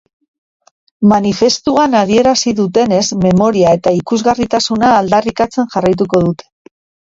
Manifestuan adierazi dutenez, memoria eta ikusgarritasuna aldarrikatzen jarraituko dute.